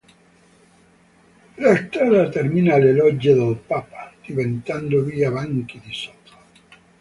La strada termina alle Logge del Papa, diventando via Banchi di Sotto.